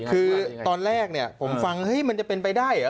คือตอนแรกผมฟังมันจะเป็นไปได้เหรอ